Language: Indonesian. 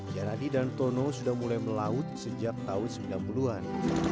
janadi dan tono sudah mulai melaut sejak tahun sembilan puluh an